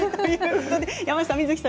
山下美月さん